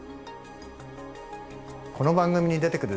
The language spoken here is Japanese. この番組に出てくる